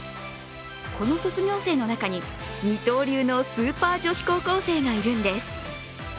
この卒業生の中に二刀流のスーパー女子高校生がいるんです。